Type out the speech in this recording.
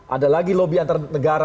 ada lagi lobby antar negara